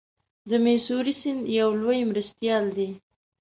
د میسوری سیند یو لوی مرستیال دی.